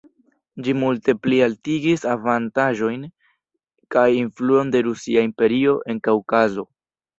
Ĝi multe plialtigis avantaĝojn kaj influon de Rusia Imperio en Kaŭkazo.